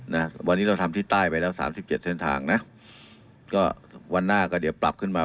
นะวันนี้เราทำที่ใต้ไปแล้วสามสิบเจ็ดเส้นทางนะก็วันหน้าก็เดี๋ยวปรับขึ้นมา